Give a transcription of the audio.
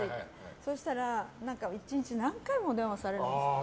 そうしたら１日何回も電話されるの。